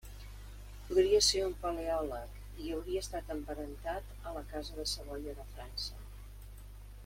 Podria ser un paleòleg i hauria estat emparentat a la casa de Savoia de França.